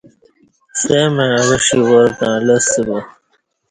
ستمع اوݜی وار تݩع لستہ با